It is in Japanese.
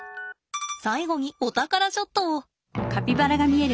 最後にお宝ショットを。